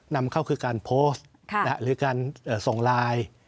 นำเข้าคือการโพสต์ค่ะหรือการเอ่อส่งลาย